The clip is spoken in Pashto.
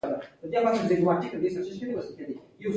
زما او ستا منزل په تریخو اوبو پټ دی.